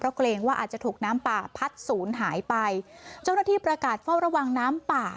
เกรงว่าอาจจะถูกน้ำป่าพัดศูนย์หายไปเจ้าหน้าที่ประกาศเฝ้าระวังน้ำป่า